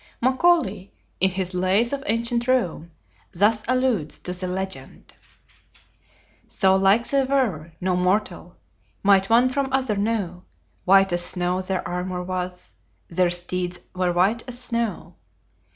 Macaulay, in his "Lays of Ancient Rome," thus alludes to the legend: "So like they were, no mortal Might one from other know; White as snow their armor was, Their steeds were white as snow.